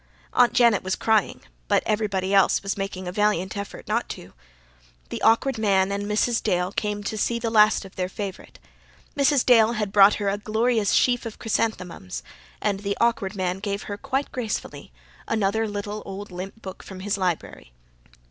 Aunt Janet was crying, but everybody else was making a valiant effort not to. The Awkward Man and Mrs. Dale came to see the last of their favourite. Mrs. Dale had brought her a glorious sheaf of chrysanthemums, and the Awkward Man gave her, quite gracefully, another little, old, limp book from his library.